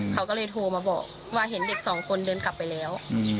เขาก็เลยโทรมาบอกว่าเห็นเด็กสองคนเดินกลับไปแล้ว